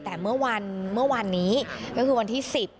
แต่เมื่อวันนี้ก็คือวันที่๑๐